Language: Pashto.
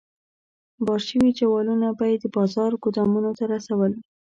بار شوي جوالونه به یې د بازار ګودامونو ته رسول.